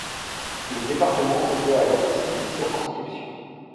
Le département comptait alors six circonscriptions.